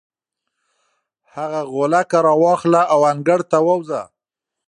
هغه غولکه راواخله او انګړ ته ووځه.